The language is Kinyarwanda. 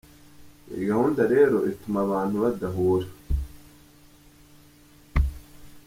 Iyi gahunda rero ituma abantu badahura.